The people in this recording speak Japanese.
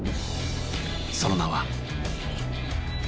その名は。